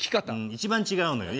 一番違うのよ。